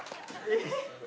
えっ？